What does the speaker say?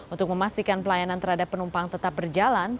untuk memastikan pelayanan terhadap penumpang tetap berjalan